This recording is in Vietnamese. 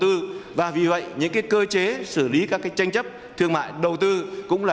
với các doanh nghiệp đầu tư và vì vậy những cơ chế xử lý các tranh chấp thương mại đầu tư cũng là